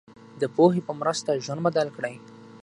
د پوهې په مرسته ژوند بدل کړئ.